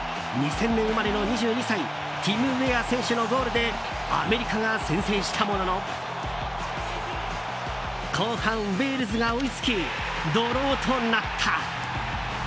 ２０００年生まれの２２歳ティム・ウェア選手のゴールでアメリカが先制したものの後半、ウェールズが追いつきドローとなった。